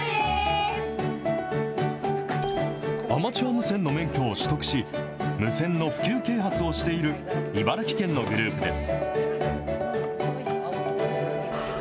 アマチュア無線の免許を取得し、無線の普及啓発をしている茨城県のグループです。